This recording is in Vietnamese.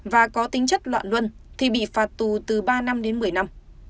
và có tính chất loạn luân thì bị phạt tù từ ba năm đến một mươi năm